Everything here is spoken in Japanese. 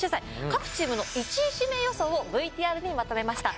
各チームの１位指名予想をＶＴＲにまとめました。